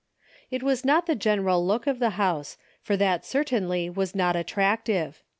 It was not the general look of the house, for that cer tainly was not attractive.